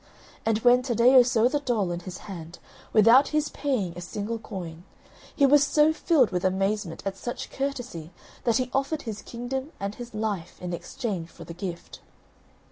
And when Taddeo saw the doll in his hand, without his paying a single coin, he was so filled with amazement at such courtesy that he offered his kingdom and his life in exchange for the gift.